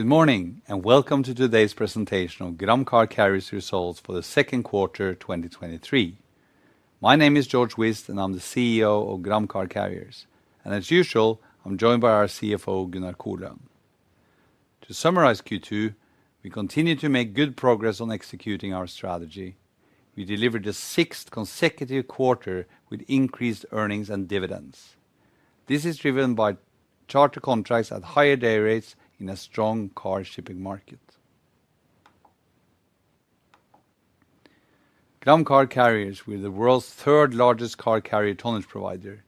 Good morning, welcome to today's presentation of Gram Car Carriers results for the Q2 2023. My name is Georg Whist, I'm the CEO of Gram Car Carriers. As usual, I'm joined by our CFO, Gunnar Koløen. To summarize Q2, we continued to make good progress on executing our strategy. We delivered a sixth consecutive quarter with increased earnings and dividends. This is driven by charter contracts at higher day rates in a strong car shipping market. Gram Car Carriers, we're the world's third-largest car carrier tonnage provider.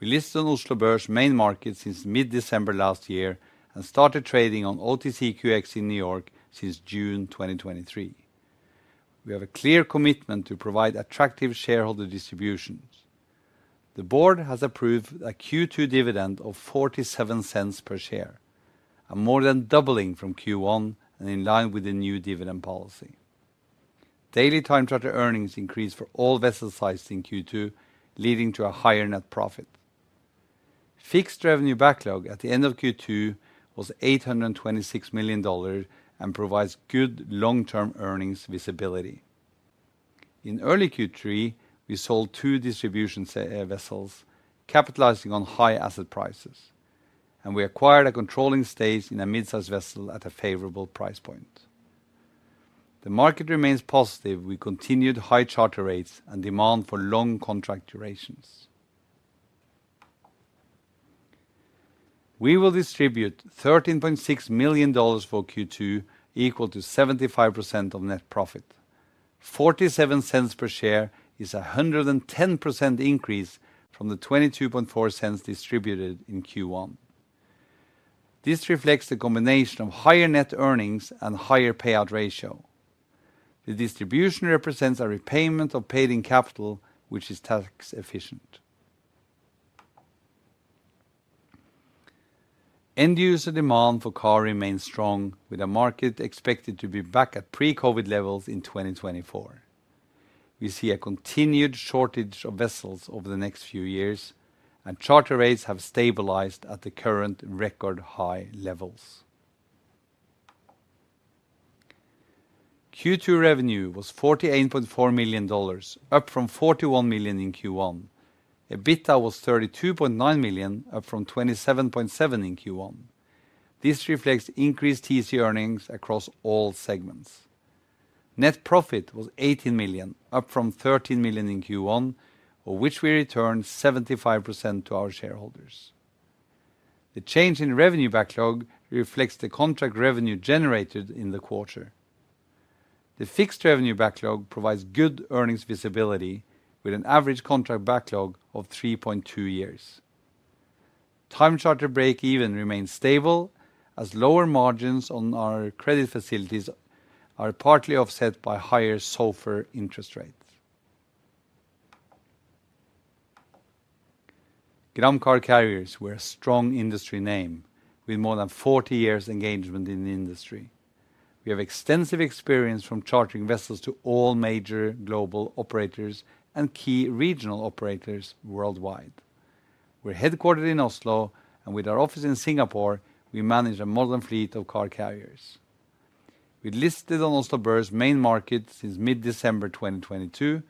We listed on Oslo Børs main market since mid-December last year and started trading on OTCQX in New York since June 2023. We have a clear commitment to provide attractive shareholder distributions. The board has approved a Q2 dividend of $0.47 per share, a more than doubling from Q1 and in line with the new dividend policy. Daily time charter earnings increased for all vessel sizes in Q2, leading to a higher net profit. Fixed revenue backlog at the end of Q2 was $826 million and provides good long-term earnings visibility. In early Q3, we sold two distribution vessels, capitalizing on high asset prices, and we acquired a controlling stake in a midsize vessel at a favorable price point. The market remains positive with continued high charter rates and demand for long contract durations. We will distribute $13.6 million for Q2, equal to 75% of net profit. $0.47 per share is a 110% increase from the $0.224 distributed in Q1. This reflects the combination of higher net earnings and higher payout ratio. The distribution represents a repayment of paid-in capital, which is tax efficient. End-user demand for car remains strong, with a market expected to be back at pre-COVID levels in 2024. We see a continued shortage of vessels over the next few years, charter rates have stabilized at the current record-high levels. Q2 revenue was $48.4 million, up from $41 million in Q1. EBITDA was $32.9 million, up from $27.7 million in Q1. This reflects increased TC earnings across all segments. Net profit was $18 million, up from $13 million in Q1, of which we returned 75% to our shareholders. The change in revenue backlog reflects the contract revenue generated in the quarter. The fixed revenue backlog provides good earnings visibility, with an average contract backlog of 3.2 years. Time charter break-even remains stable as lower margins on our credit facilities are partly offset by higher SOFR interest rates. Gram Car Carriers, we're a strong industry name with more than 40 years engagement in the industry. We have extensive experience from chartering vessels to all major global operators and key regional operators worldwide. We're headquartered in Oslo, and with our office in Singapore, we manage a modern fleet of car carriers. We listed on Oslo Børs main market since mid-December 2022,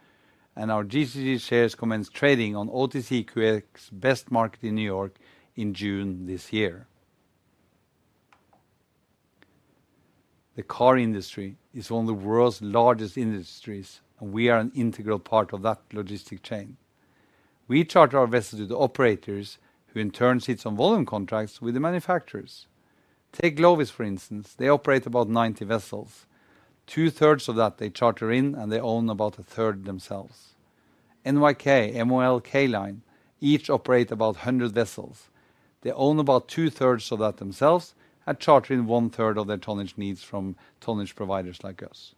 and our GCC shares commenced trading on OTCQX Best Market in New York in June this year. The car industry is one of the world's largest industries, and we are an integral part of that logistic chain. We charter our vessels to the operators who in turn sits on volume contracts with the manufacturers. Take Glovis, for instance, they operate about 90 vessels. 2/3 of that they charter in, and they own about 1/3 themselves. NYK, MOL each operate about 100 vessels. They own about 2/3 of that themselves and charter in 1/3 of their tonnage needs from tonnage providers like us.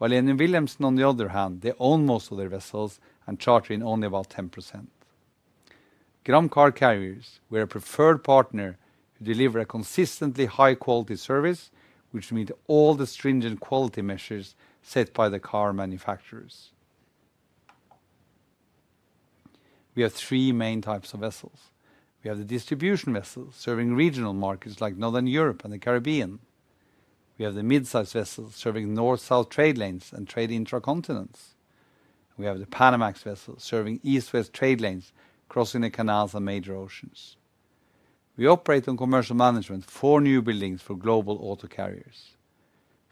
Wallenius Wilhelmsen, on the other hand, they own most of their vessels and charter in only about 10%. Gram Car Carriers, we're a preferred partner who deliver a consistently high-quality service, which meet all the stringent quality measures set by the car manufacturers. We have three main types of vessels. We have the distribution vessels, serving regional markets like Northern Europe and the Caribbean. We have the midsize vessels serving North-South trade lanes and trade intra continents. We have the Panamax vessels serving East-West trade lanes, crossing the canals and major oceans. We operate on commercial management, four new buildings for Global Auto Carriers.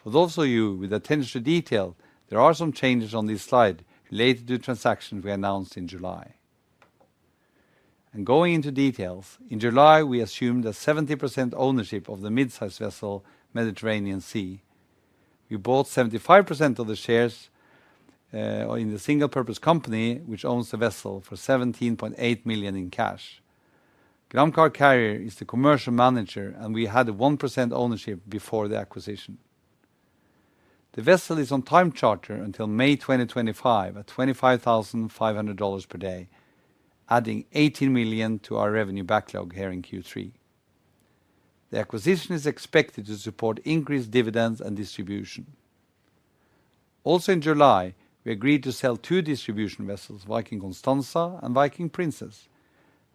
For those of you with attention to detail, there are some changes on this slide related to transactions we announced in July. Going into details, in July, we assumed a 70% ownership of the midsize vessel, Mediterranean Sea. We bought 75% of the shares in the single-purpose company, which owns the vessel for $17.8 million in cash. Gram Car Carriers is the commercial manager, and we had a 1% ownership before the acquisition. The vessel is on time charter until May 2025 at $25,500 per day, adding $18 million to our revenue backlog here in Q3. The acquisition is expected to support increased dividends and distribution.... Also in July, we agreed to sell two distribution vessels, Viking Constanza and Viking Princess,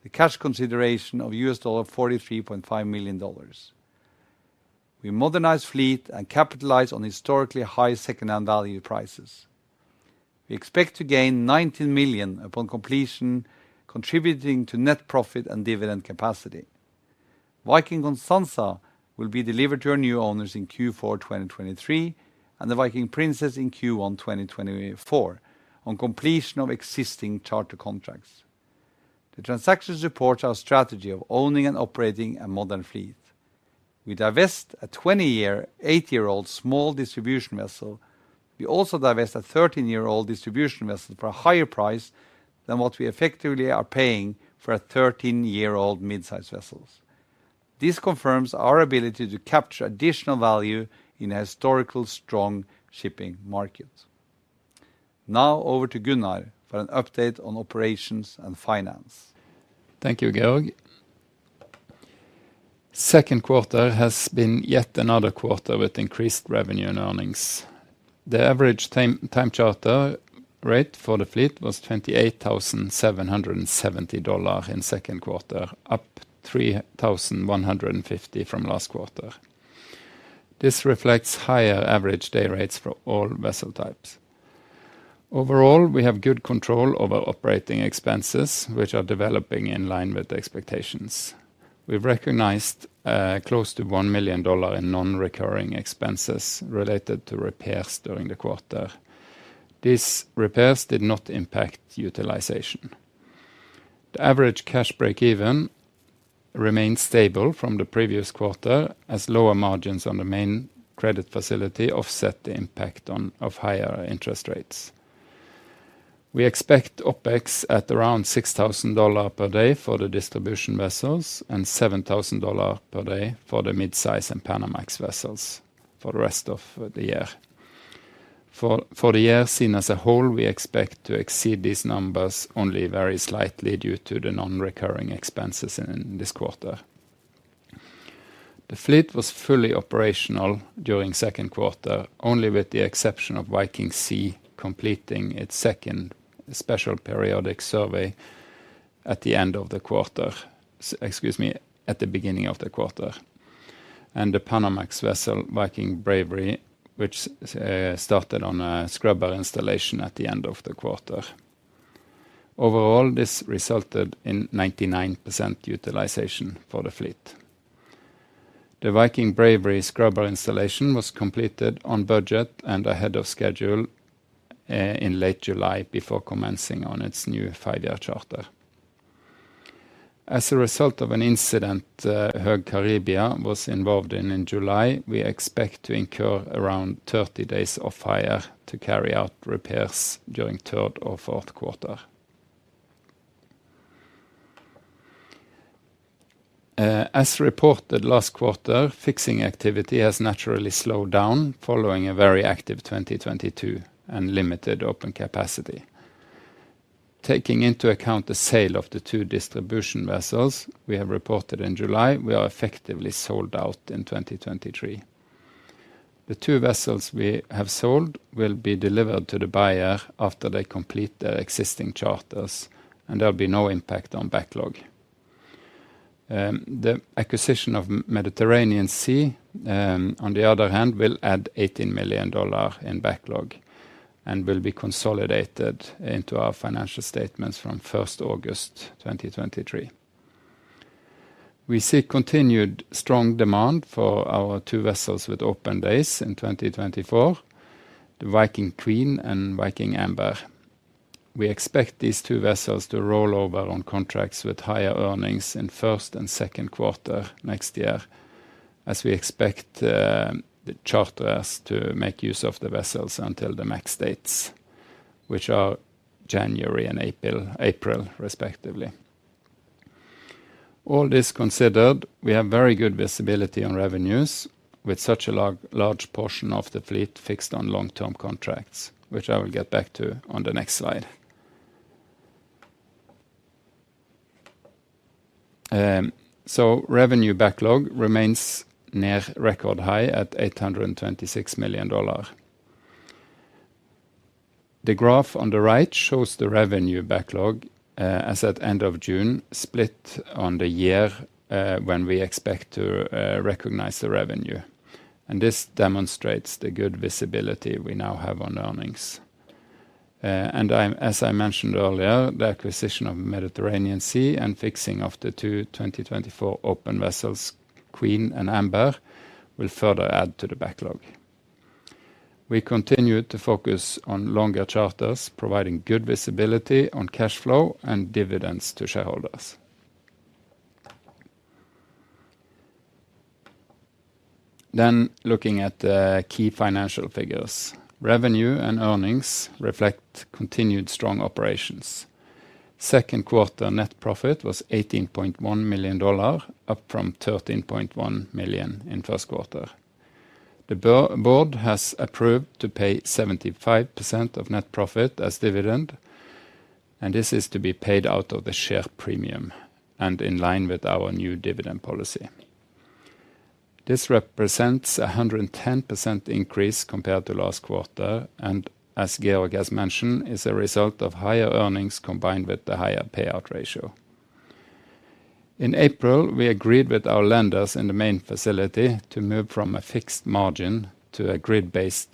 the cash consideration of $43.5 million. We modernize fleet and capitalize on historically high second-hand value prices. We expect to gain $19 million upon completion, contributing to net profit and dividend capacity. Viking Constanza will be delivered to our new owners in Q4 2023, and the Viking Princess in Q1 2024, on completion of existing charter contracts. The transaction supports our strategy of owning and operating a modern fleet. We divest a 20-year, eight-year-old small distribution vessel. We also divest a 13-year-old distribution vessel for a higher price than what we effectively are paying for a 13-year-old mid-size vessels. This confirms our ability to capture additional value in a historical, strong shipping market. Over to Gunnar for an update on operations and finance. Thank you, Georg. Q2 has been yet another quarter with increased revenue and earnings. The average time charter rate for the fleet was $28,770 in Q2, up $3,150 from last quarter. This reflects higher average day rates for all vessel types. Overall, we have good control over operating expenses, which are developing in line with the expectations. We've recognized close to $1 million in non-recurring expenses related to repairs during the quarter. These repairs did not impact utilization. The average cash break-even remains stable from the previous quarter, as lower margins on the main credit facility offset the impact of higher interest rates. We expect OpEx at around $6,000 per day for the distribution vessels and $7,000 per day for the mid-size and Panamax vessels for the rest of the year. For the year seen as a whole, we expect to exceed these numbers only very slightly due to the non-recurring expenses in this quarter. The fleet was fully operational during Q2, only with the exception of Viking Sea, completing its second special periodic survey at the end of the quarter. Excuse me, at the beginning of the quarter, and the Panamax vessel, Viking Bravery, which started on a scrubber installation at the end of the quarter. Overall, this resulted in 99% utilization for the fleet. The Viking Bravery scrubber installation was completed on budget and ahead of schedule in late July, before commencing on its new five-year charter. As a result of an incident, Höegh Caribia was involved in in July, we expect to incur around 30 days of off-hire to carry out repairs during third or Q4. As reported last quarter, fixing activity has naturally slowed down, following a very active 2022 and limited open capacity. Taking into account the sale of the two distribution vessels we have reported in July, we are effectively sold out in 2023. The two vessels we have sold will be delivered to the buyer after they complete their existing charters, and there'll be no impact on backlog. The acquisition of Mediterranean Sea, on the other hand, will add $18 million in backlog and will be consolidated into our financial statements from 1st August, 2023. We see continued strong demand for our two vessels with open days in 2024, the Viking Queen and Viking Amber. We expect these two vessels to roll over on contracts with higher earnings in first and Q2 next year, as we expect the charterers to make use of the vessels until the max dates, which are January and April, respectively. All this considered, we have very good visibility on revenues with such a large portion of the fleet fixed on long-term contracts, which I will get back to on the next slide. Revenue backlog remains near record high at $826 million. The graph on the right shows the revenue backlog as at end of June, split on the year when we expect to recognize the revenue. This demonstrates the good visibility we now have on earnings. As I mentioned earlier, the acquisition of Mediterranean Sea and fixing of the two 2024 open vessels, Queen and Amber, will further add to the backlog. We continue to focus on longer charters, providing good visibility on cash flow and dividends to shareholders. Looking at the key financial figures. Revenue and earnings reflect continued strong operations. Q2 net profit was $18.1 million, up from $13.1 million in first quarter. The board has approved to pay 75% of net profit as dividend, this is to be paid out of the share premium and in line with our new dividend policy. This represents 110% increase compared to last quarter, as Georg has mentioned, is a result of higher earnings combined with the higher payout ratio. In April, we agreed with our lenders in the main facility to move from a fixed margin to a grid-based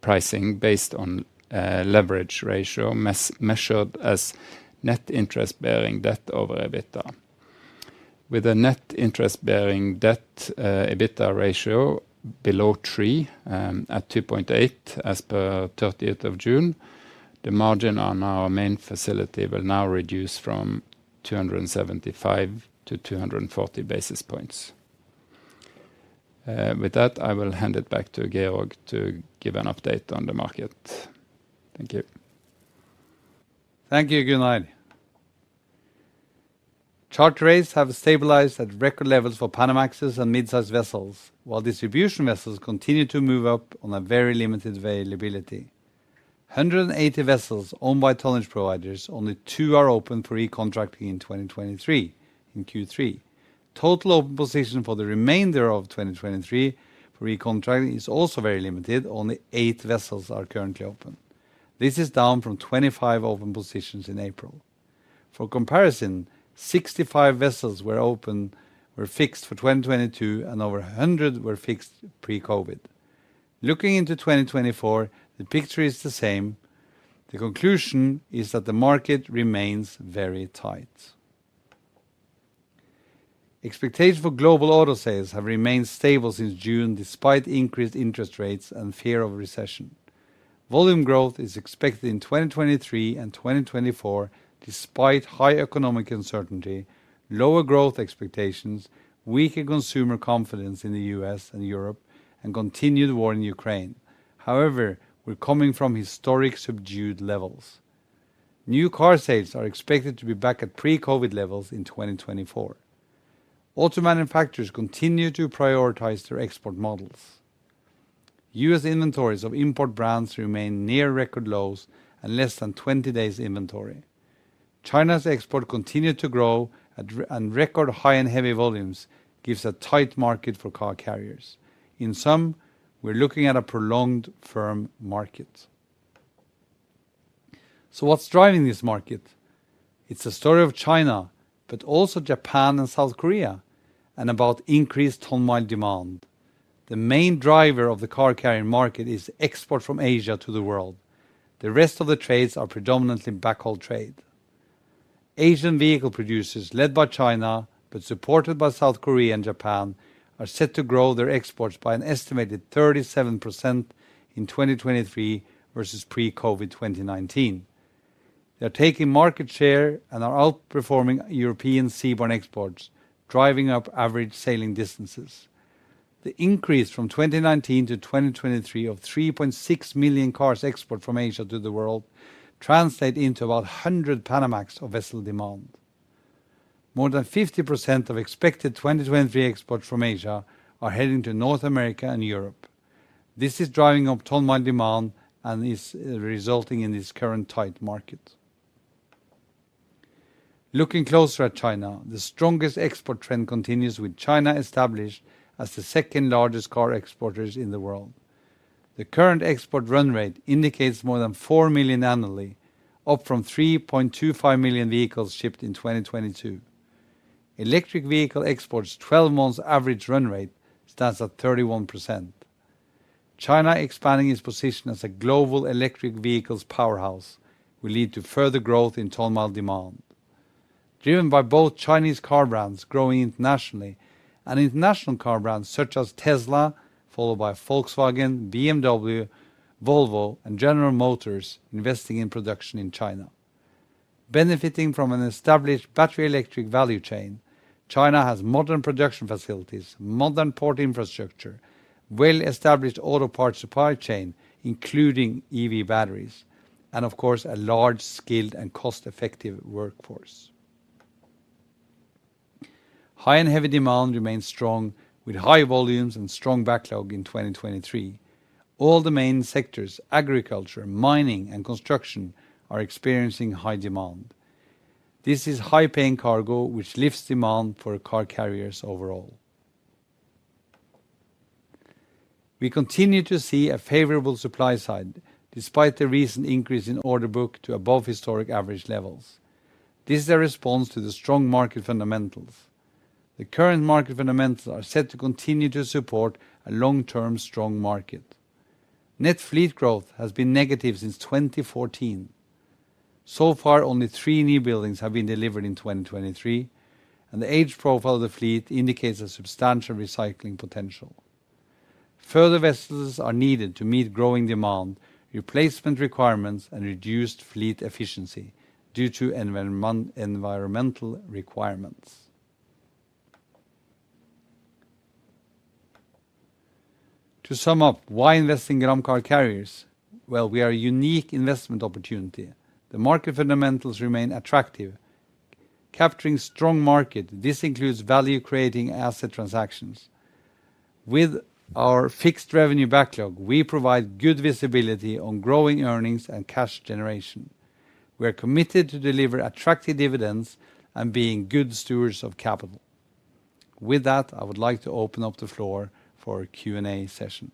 pricing based on leverage ratio, measured as net interest-bearing debt over EBITDA. With a net interest-bearing debt EBITDA ratio below three, at 2.8, as per 30th of June, the margin on our main facility will now reduce from 275 to 240 basis points. With that, I will hand it back to Georg to give an update on the market. Thank you. Thank you, Gunnar. Charter rates have stabilized at record levels for Panamax and midsize vessels, while distribution vessels continue to move up on a very limited availability. 180 vessels owned by tonnage providers, only two are open for re-contracting in 2023 in Q3. Total open position for the remainder of 2023 for recontracting is also very limited. Only eight vessels are currently open. This is down from 25 open positions in April. For comparison, 65 vessels were open, were fixed for 2022, and over 100 were fixed pre-COVID. Looking into 2024, the picture is the same. The conclusion is that the market remains very tight. Expectation for global auto sales have remained stable since June, despite increased interest rates and fear of recession. Volume growth is expected in 2023 and 2024, despite high economic uncertainty, lower growth expectations, weaker consumer confidence in the US and Europe, and continued war in Ukraine. We're coming from historic subdued levels. New car sales are expected to be back at pre-COVID levels in 2024. Auto manufacturers continue to prioritize their export models. US inventories of import brands remain near record lows and less than 20 days inventory. China's export continued to grow and record high and heavy volumes gives a tight market for car carriers. In sum, we're looking at a prolonged firm market. What's driving this market? It's a story of China, but also Japan and South Korea, and about increased ton-mile demand. The main driver of the car carrying market is export from Asia to the world. The rest of the trades are predominantly backhaul trade. Asian vehicle producers, led by China, but supported by South Korea and Japan, are set to grow their exports by an estimated 37% in 2023 versus pre-COVID 2019. They are taking market share and are outperforming European seaborne exports, driving up average sailing distances. The increase from 2019 to 2023 of 3.6 million cars export from Asia to the world translate into about 100 Panamax of vessel demand. More than 50% of expected 2023 exports from Asia are heading to North America and Europe. This is driving up ton-mile demand and is resulting in this current tight market. Looking closer at China, the strongest export trend continues with China established as the second largest car exporter in the world. The current export run rate indicates more than 4 million annually, up from 3.25 million vehicles shipped in 2022. Electric vehicle exports, 12 months average run rate stands at 31%. China expanding its position as a global electric vehicles powerhouse will lead to further growth in ton-mile demand, driven by both Chinese car brands growing internationally and international car brands such as Tesla, followed by Volkswagen, BMW, Volvo, and General Motors, investing in production in China. Benefiting from an established battery-electric value chain, China has modern production facilities, modern port infrastructure, well-established auto parts supply chain, including EV batteries, and of course, a large, skilled, and cost-effective workforce. High and heavy demand remains strong, with high volumes and strong backlog in 2023. All the main sectors, agriculture, mining, and construction, are experiencing high demand. This is high-paying cargo, which lifts demand for car carriers overall. We continue to see a favorable supply side, despite the recent increase in order book to above historic average levels. This is a response to the strong market fundamentals. The current market fundamentals are set to continue to support a long-term strong market. Net fleet growth has been negative since 2014. So far, only three new buildings have been delivered in 2023, and the age profile of the fleet indicates a substantial recycling potential. Further, vessels are needed to meet growing demand, replacement requirements, and reduced fleet efficiency due to environment, environmental requirements. To sum up, why invest in Gram Car Carriers? Well, we are a unique investment opportunity. The market fundamentals remain attractive, capturing strong market. This includes value-creating asset transactions. With our fixed revenue backlog, we provide good visibility on growing earnings and cash generation. We are committed to deliver attractive dividends and being good stewards of capital. With that, I would like to open up the floor for a Q&A session.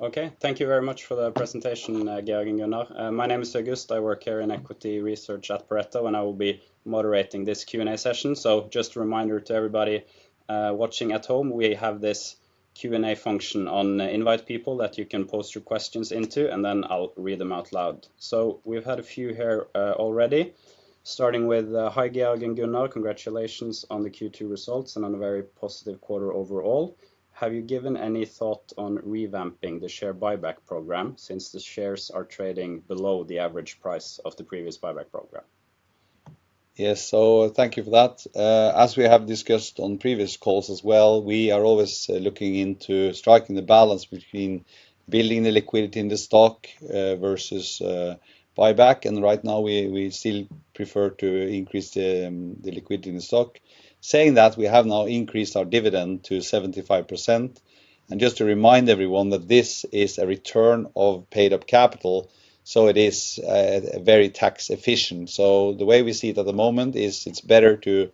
Okay, thank you very much for the presentation, Georg and Gunnar. My name is August. I work here in equity research at Pareto, I will be moderating this Q&A session. Just a reminder to everybody watching at home, we have this Q&A function on InvitePeople that you can post your questions into, then I'll read them out loud. We've had a few here already, starting with, "Hi, Georg and Gunnar. Congratulations on the Q2 results and on a very positive quarter overall. Have you given any thought on revamping the share buyback program since the shares are trading below the average price of the previous buyback program? Yes, thank you for that. As we have discussed on previous calls as well, we are always looking into striking the balance between building the liquidity in the stock versus buyback. Right now, we, we still prefer to increase the liquidity in the stock. Saying that, we have now increased our dividend to 75%. Just to remind everyone that this is a return of paid-up capital, so it is very tax efficient. The way we see it at the moment is it's better to,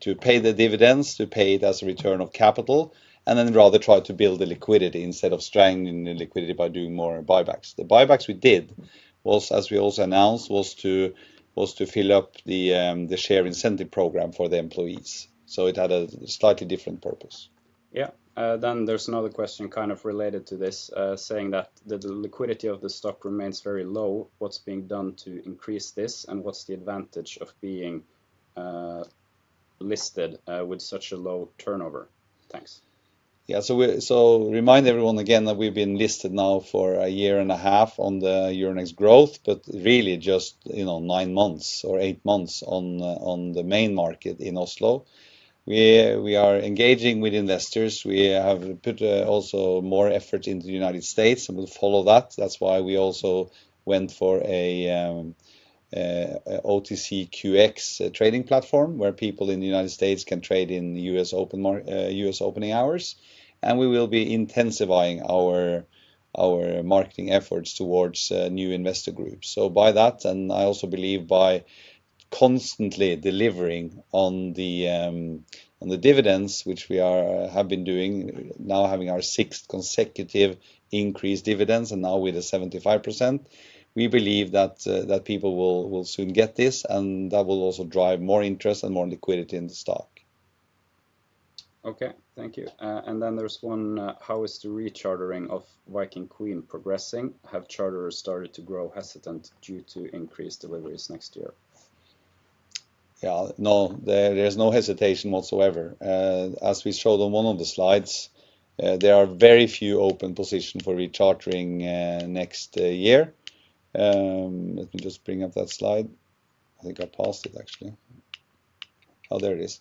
to pay the dividends, to pay it as a return of capital, and then rather try to build the liquidity instead of strengthening the liquidity by doing more buybacks. The buybacks we did was, as we also announced, was to fill up the share incentive program for the employees, so it had a slightly different purpose. Then there's another question kind of related to this, saying that, "The, the liquidity of the stock remains very low. What's being done to increase this, and what's the advantage of being listed with such a low turnover? Thanks. Yeah, so remind everyone again that we've been listed now for a year and a half on the Euronext Growth, really just, you know, nine months or eight months on the, on the main market in Oslo. We, we are engaging with investors. We have put also more effort into the United States. We'll follow that. That's why we also went for a OTCQX trading platform, where people in the United States can trade in the US open US opening hours. We will be intensifying our, our marketing efforts towards new investor groups. By that, and I also believe by constantly delivering on the dividends, which we have been doing, now having our sixth consecutive increased dividends, and now with a 75%, we believe that people will, will soon get this, and that will also drive more interest and more liquidity in the stock. Okay, thank you. Then there's one, "How is the rechartering of Viking Queen progressing? Have charterers started to grow hesitant due to increased deliveries next year? Yeah. No, there, there's no hesitation whatsoever. As we showed on one of the slides, there are very few open position for rechartering next year. Let me just bring up that slide. I think I passed it, actually. Oh, there it is.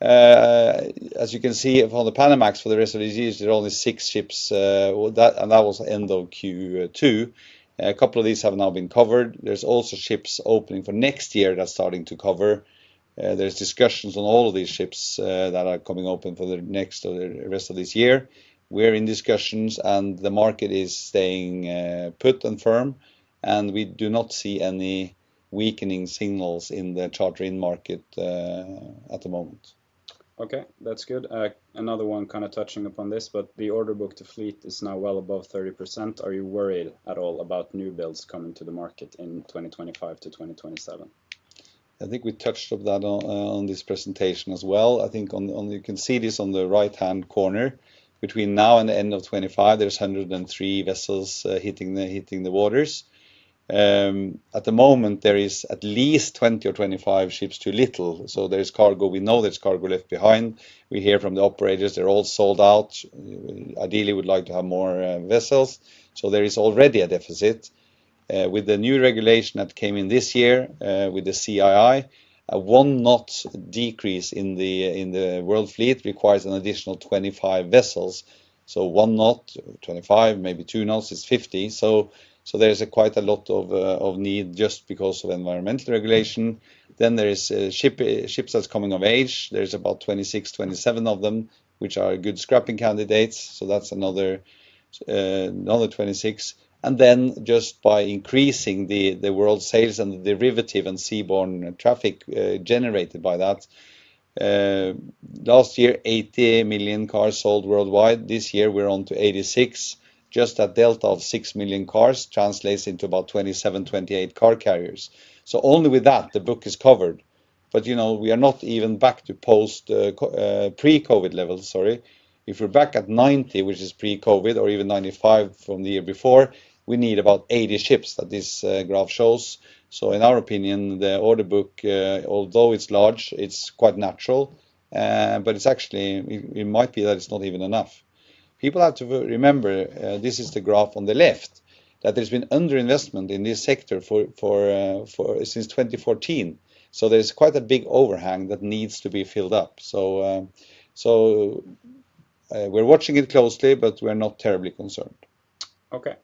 As you can see, of all the Panamax for the rest of these years, there are only six ships with that, and that was end of Q2. A couple of these have now been covered. There's also ships opening for next year that's starting to cover. There's discussions on all of these ships that are coming open for the next or the rest of this year. We're in discussions, and the market is staying put and firm, and we do not see any weakening signals in the chartering market at the moment. Okay, that's good. another one kind of touching upon this, but the order book to fleet is now well above 30%. Are you worried at all about new builds coming to the market in 2025-2027? I think we touched on that on this presentation as well. I think you can see this on the right-hand corner. Between now and the end of 2025, there's 103 vessels hitting the waters. At the moment, there is at least 20 or 25 ships too little, so there is cargo. We know there's cargo left behind. We hear from the operators they're all sold out. Ideally, we'd like to have more vessels, so there is already a deficit. With the new regulation that came in this year, with the CII, a 1 knot decrease in the world fleet requires an additional 25 vessels. 1 knot, 25, maybe 2 knots is 50. There's a quite a lot of need just because of environmental regulation. There is ship, ships that's coming of age. There's about 26, 27 of them, which are good scrapping candidates, so that's another, another 26. Just by increasing the, the world sales and the derivative and seaborne traffic, generated by that, last year, 80 million cars sold worldwide. This year, we're on to 86. Just a delta of 6 million cars translates into about 27, 28 car carriers. Only with that, the book is covered. You know, we are not even back to pre-COVID levels, sorry. If we're back at 90, which is pre-COVID, or even 95 from the year before, we need about 80 ships that this graph shows. In our opinion, the order book, although it's large, it's quite natural. It's actually, it, it might be that it's not even enough. People have to re-remember, this is the graph on the left, that there's been underinvestment in this sector since 2014. There's quite a big overhang that needs to be filled up. So, we're watching it closely, but we're not terribly concerned. Okay.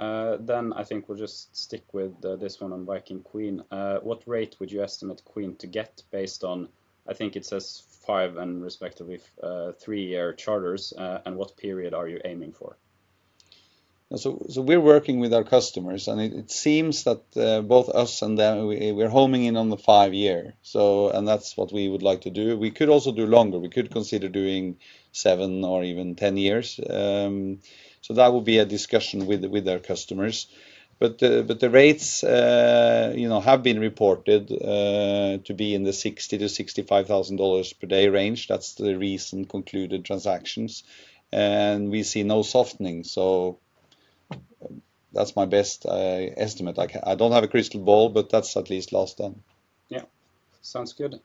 I think we'll just stick with this one on Viking Queen. What rate would you estimate Queen to get based on, I think it says five and respectively, three-year charters, and what period are you aiming for? So we're working with our customers, and it seems that, both us and them, we're homing in on the five-year. So... That's what we would like to do. We could also do longer. We could consider doing seven or even 10 years. So that would be a discussion with our customers. The rates, you know, have been reported, to be in the $60,000-65,000 per day range. That's the recent concluded transactions, and we see no softening. That's my best estimate. I don't have a crystal ball, but that's at least last time. Yeah. Sounds good.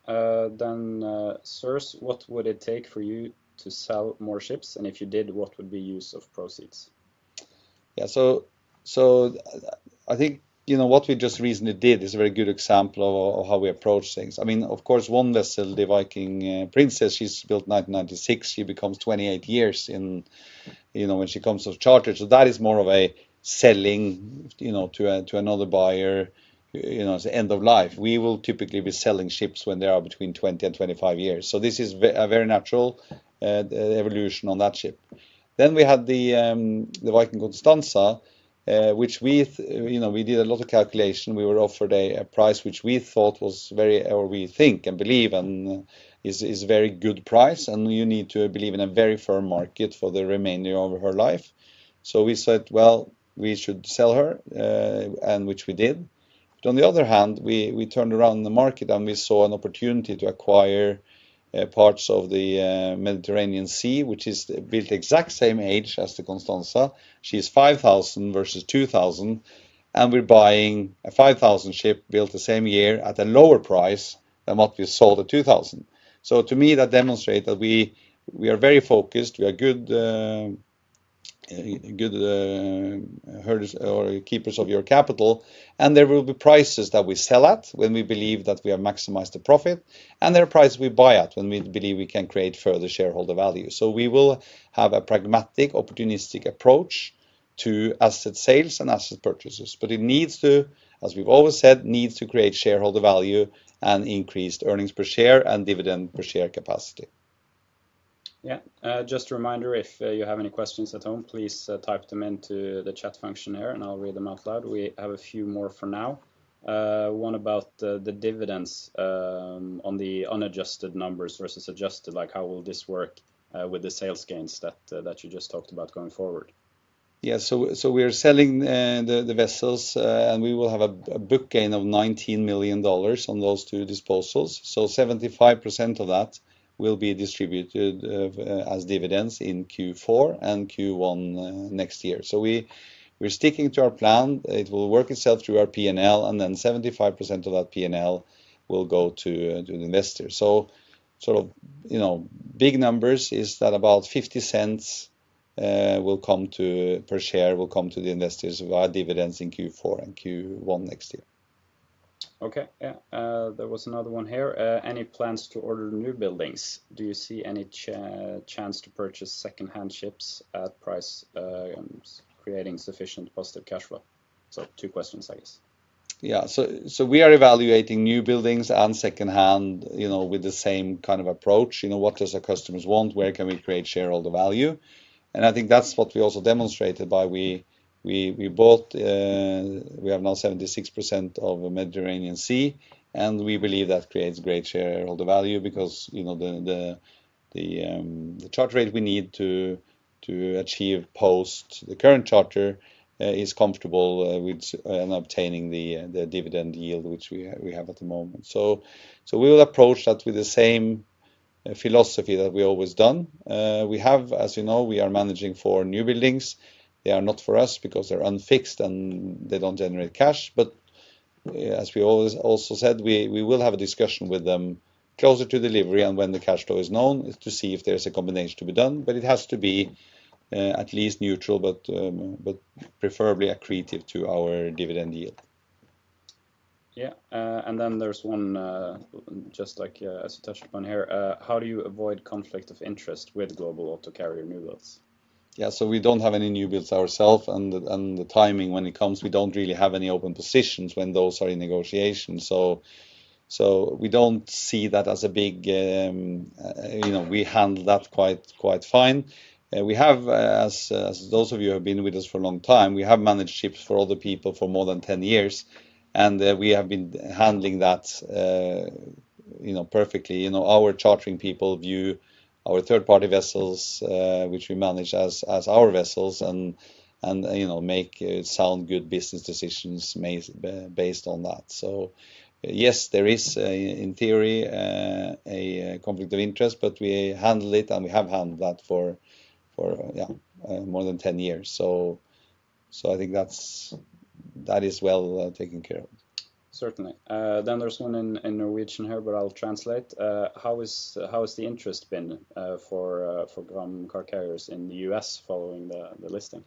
Sears, what would it take for you to sell more ships? If you did, what would be use of proceeds? I think, you know, what we just recently did is a very good example of how we approach things. I mean, of course, one vessel, the Viking Princess, she's built 1996. She becomes 28 years in, you know, when she comes off charter. That is more of a selling, you know, to another buyer. You know, it's end of life. We will typically be selling ships when they are between 20 and 25 years. This is a very natural evolution on that ship. We have the Viking Constanza, which we, you know, we did a lot of calculation. We were offered a price which we thought was very... We think and believe and is, is a very good price. You need to believe in a very firm market for the remaining of her life. We said, "Well, we should sell her," which we did. On the other hand, we, we turned around in the market and we saw an opportunity to acquire parts of the Mediterranean Sea, which is built exact same age as the Constanza. She's 5,000 versus 2,000, and we're buying a 5,000 ship built the same year at a lower price than what we sold the 2,000. To me, that demonstrate that we, we are very focused, we are good, good, or keepers of your capital, and there will be prices that we sell at when we believe that we have maximized the profit, and there are prices we buy at when we believe we can create further shareholder value. We will have a pragmatic, opportunistic approach to asset sales and asset purchases. It needs to, as we've always said, needs to create shareholder value and increased earnings per share and dividend per share capacity. Yeah. Just a reminder, if you have any questions at home, please type them into the chat function here and I'll read them out loud. We have a few more for now. One about the, the dividends on the unadjusted numbers versus adjusted, like, how will this work with the sales gains that you just talked about going forward? Yeah. So we are selling the vessels, and we will have a book gain of $19 million on those two disposals. 75% of that will be distributed as dividends in Q4 and Q1 next year. We're sticking to our plan. It will work itself through our P&L. 75% of that P&L will go to the investors. So, you know, big numbers is that about $0.50, per share, will come to the investors via dividends in Q4 and Q1 next year. Okay, yeah. There was another one here. Any plans to order newbuildings? Do you see any chance to purchase second-hand ships at price, and creating sufficient positive cash flow? Two questions, I guess. Yeah. We are evaluating newbuildings and second-hand, you know, with the same kind of approach. You know, what does our customers want? Where can we create shareholder value? I think that's what we also demonstrated by we, we, we bought, we have now 76% of Mediterranean Sea, and we believe that creates great shareholder value because, you know, the, the, the, the charter rate we need to, to achieve post the current charter, is comfortable, with, and obtaining the, the dividend yield, which we have, we have at the moment. We will approach that with the same philosophy that we always done. We have, as you know, we are managing for newbuildings. They are not for us because they're unfixed and they don't generate cash. As we always also said, we will have a discussion with them closer to delivery and when the cash flow is known, is to see if there's a combination to be done. It has to be at least neutral, but preferably accretive to our dividend yield. Yeah. There's one, just like, as you touched upon here. How do you avoid conflict of interest with Global Auto Carriers newbuilds? Yeah. We don't have any newbuilds ourself, and the, and the timing when it comes, we don't really have any open positions when those are in negotiation. So we don't see that as a big, you know, we handle that quite, quite fine. We have, as, as those of you who have been with us for a long time, we have managed ships for other people for more than 10 years, and we have been handling that, you know, perfectly, you know, our chartering people view our third-party vessels, which we manage as, as our vessels, and, and, you know, make, sound good business decisions based on that. Yes, there is a, in theory, a conflict of interest, but we handle it, and we have handled that for, for, yeah, more than 10 years. So I think that's, that is well, taken care of. Certainly. There's one in, in Norwegian here, but I'll translate. "How has the interest been for Gram Car Carriers in the US following the listing?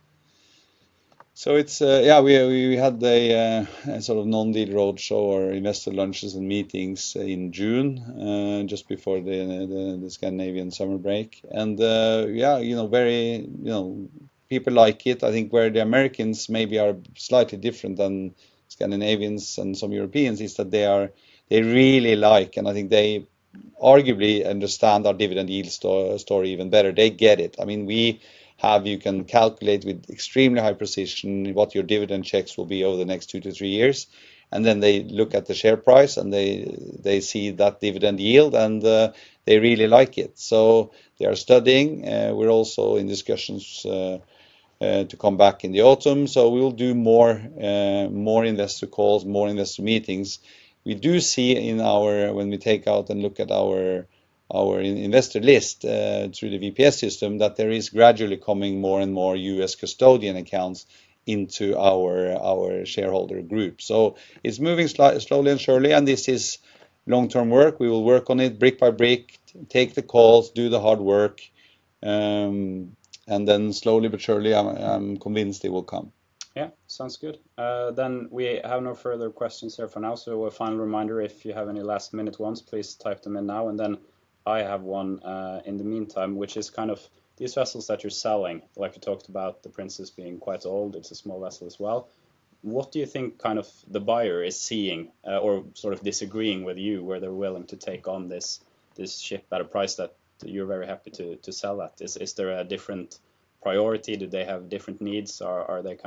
It's, we, we had a sort of non-deal roadshow or investor lunches and meetings in June, just before the Scandinavian summer break, and, you know, very, you know, people like it. I think where the Americans maybe are slightly different than Scandinavians and some Europeans, is that they really like, and I think they arguably understand our dividend yield story even better. They get it. I mean, we have. You can calculate with extremely high precision what your dividend checks will be over the next two to three years, and then they look at the share price, and they, they see that dividend yield, and they really like it. They are studying. We're also in discussions to come back in the autumn. We will do more, more investor calls, more investor meetings. We do see in our when we take out and look at our, our investor list, through the VPS system, that there is gradually coming more and more US custodian accounts into our, our shareholder group. It's moving slowly and surely, and this is long-term work. We will work on it brick by brick, take the calls, do the hard work, and then slowly but surely, I'm, I'm convinced they will come. Yeah. Sounds good. We have no further questions here for now. A final reminder, if you have any last-minute ones, please type them in now, and then I have one in the meantime, which is these vessels that you're selling, like you talked about the Princess being quite old, it's a small vessel as well. What do you think, the buyer is seeing, or sort of disagreeing with you, where they're willing to take on this, this ship at a price that you're very happy to, to sell at? Is, is there a different priority? Do they have different needs, or are they,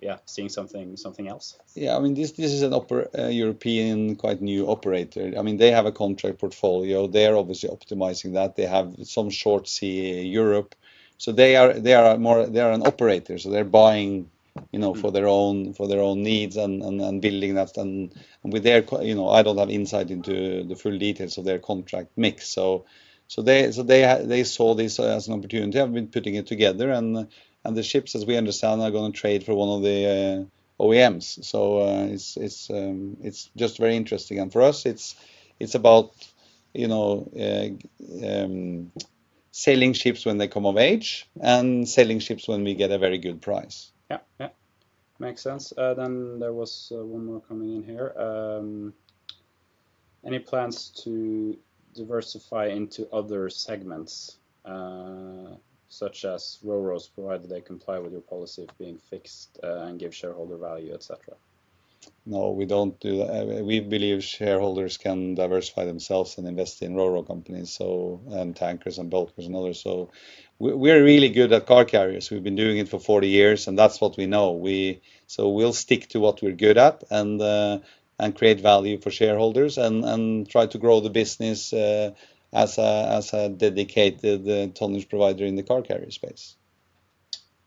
yeah, seeing something, something else? Yeah, I mean, this, this is an a European, quite new operator. I mean, they have a contract portfolio. They are obviously optimizing that. They have some short sea Europe. They are an operator, so they're buying, you know, for their own needs and, and, and building that and with their You know, I don't have insight into the full details of their contract mix. They saw this as an opportunity and have been putting it together, and the ships, as we understand, are gonna trade for one of the OEMs. It's, it's, it's just very interesting, and for us, it's, it's about, you know, selling ships when they come of age and selling ships when we get a very good price. Yeah. Yeah. Makes sense. There was one more coming in here. "Any plans to diversify into other segments, such as RoRo, provided they comply with your policy of being fixed, and give shareholder value, et cetera? No, we don't do... we, we believe shareholders can diversify themselves and invest in RoRo companies, so, tankers and bulkers and others. We, we're really good at car carriers. We've been doing it for 40 years, and that's what we know. We so we'll stick to what we're good at and, and create value for shareholders and, and try to grow the business, as a, as a dedicated tonnage provider in the car carrier space.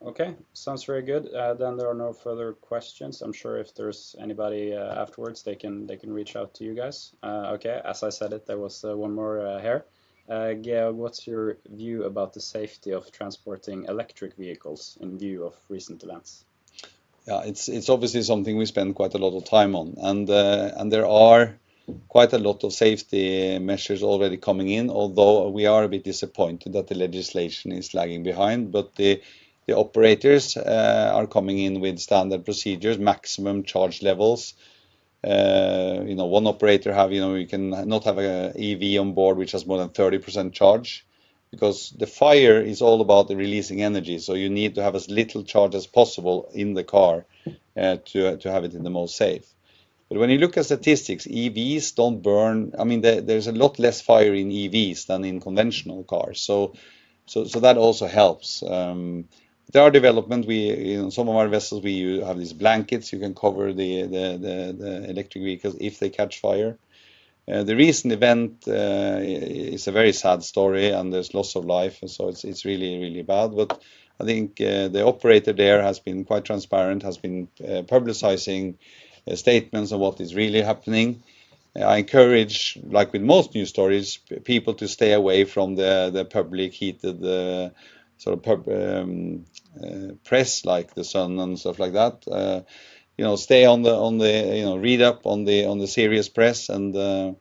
Okay. Sounds very good. There are no further questions. I'm sure if there's anybody afterwards, they can, they can reach out to you guys. Okay, as I said it, there was one more here. "Yeah, what's your view about the safety of transporting electric vehicles in view of recent events? Yeah, it's, it's obviously something we spend quite a lot of time on, there are quite a lot of safety measures already coming in, although we are a bit disappointed that the legislation is lagging behind. The, the operators are coming in with standard procedures, maximum charge levels. You know, one operator have, you know, you can not have a EV on board, which has more than 30% charge, because the fire is all about the releasing energy, so you need to have as little charge as possible in the car, to, to have it in the most safe. When you look at statistics, EVs don't burn. I mean, there, there's a lot less fire in EVs than in conventional cars, so, so, so that also helps. There are development. We, in some of our vessels, we have these blankets. You can cover the, the, the, the electric vehicles if they catch fire. The recent event is a very sad story, and there's loss of life, and so it's, it's really, really bad. I think the operator there has been quite transparent, has been publicizing statements on what is really happening. I encourage, like with most news stories, people to stay away from the, the public heated sort of press, like The Sun and stuff like that. You know, stay on the. You know, read up on the, on the serious press. The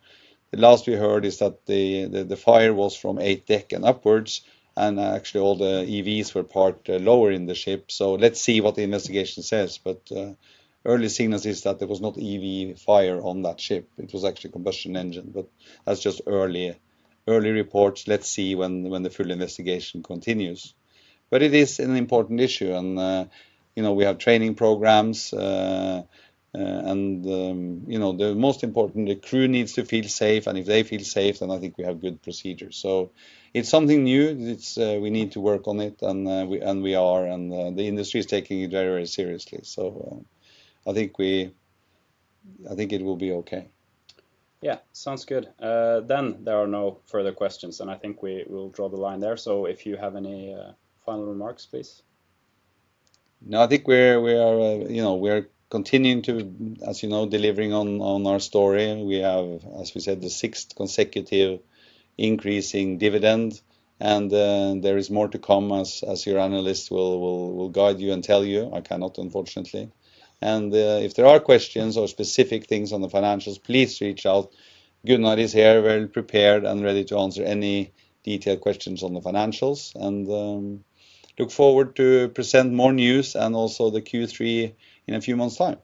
last we heard is that the fire was from eighth deck and upwards, and actually, all the EVs were parked lower in the ship. Let's see what the investigation says, but early signals is that there was not EV fire on that ship. It was actually combustion engine, but that's just early, early reports. Let's see when, when the full investigation continues. It is an important issue, and, you know, we have training programs. And, you know, the most important, the crew needs to feel safe, and if they feel safe, then I think we have good procedures. It's something new. It's, we need to work on it, and we, and we are, and the industry is taking it very, very seriously. I think I think it will be okay. Yeah. Sounds good. There are no further questions. I think we will draw the line there. If you have any final remarks, please. No, I think we're, we are, you know, we are continuing to, as you know, delivering on, on our story. We have, as we said, the sixth consecutive increasing dividend, and there is more to come, as, as your analysts will, will, will guide you and tell you. I cannot, unfortunately. If there are questions or specific things on the financials, please reach out. Gunnar is here, very prepared and ready to answer any detailed questions on the financials, and look forward to present more news and also the Q3 in a few months' time.